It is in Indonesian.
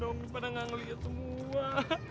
tuh kemana dong pada gak ngelihat semua